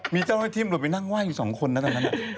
มีเจ้าหน้าที่ตำรวจไปนั่งไหว้อยู่๒คนนะตอนนั้น